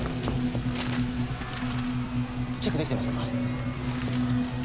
チェックできてますか？